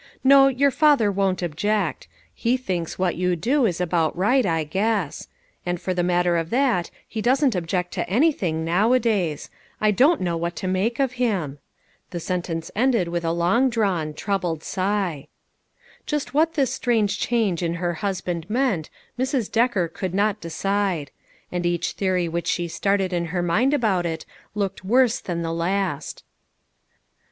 No, your father won't object ; he thinks what you do is about right, I guess. And for the matter of that, he doesn't object to anything nowadays ; I don't know what to make of him." The sentence ended with a long drawn, troubled*sigh. Just what this strange change in her husband meant, Mrs. Decker could not decide; and each theory which she started in her mind about it, looked worse than the last.